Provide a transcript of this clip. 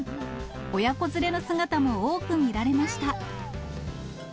親子連れの姿も多く見られました。